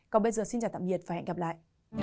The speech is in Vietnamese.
còn bây giờ xin chào tạm biệt và hẹn gặp lại